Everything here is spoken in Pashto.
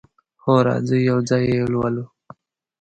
هو، راځئ یو ځای یی لولو